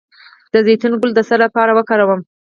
د زیتون ګل د څه لپاره وکاروم؟